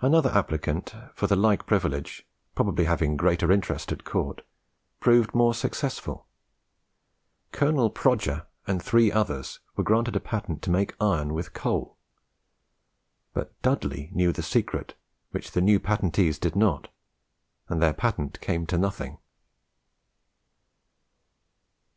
Another applicant for the like privilege, probably having greater interest at court, proved more successful. Colonel Proger and three others were granted a patent to make iron with coal; but Dudley knew the secret, which the new patentees did not; and their patent came to nothing.